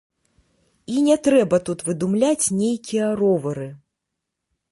І не трэба тут выдумляць нейкія ровары.